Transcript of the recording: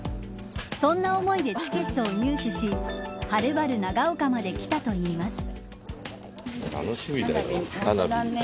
そんな思いでチケットを入手しはるばる長岡まで来たといいます。